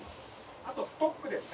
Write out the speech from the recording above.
あとストックですね。